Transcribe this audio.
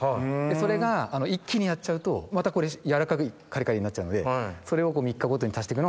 それが一気にやっちゃうとまたこれ軟らかいカリカリになっちゃうのでそれを。